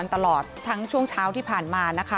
ตลอดทั้งช่วงเช้าที่ผ่านมานะคะ